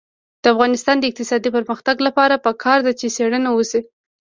د افغانستان د اقتصادي پرمختګ لپاره پکار ده چې څېړنه وشي.